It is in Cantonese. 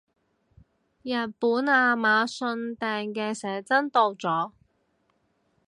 日本亞馬遜訂嘅寫真到咗